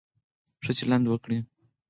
ښه چلند وکړئ.